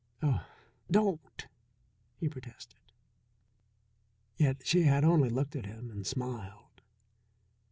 "Oh, don't," he protested. Yet she had only looked at him and smiled.